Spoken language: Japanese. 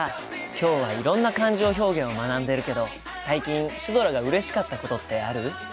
今日はいろんな感情表現を学んでいるけど最近シュドラがうれしかったことってある？